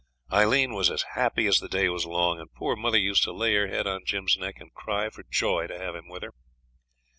Aileen was as happy as the day was long, and poor mother used to lay her head on Jim's neck and cry for joy to have him with her.